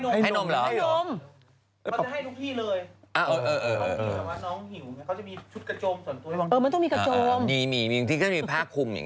แต่ว่าน้องหิวเขาจะมีชุดกระจมส่วนตัว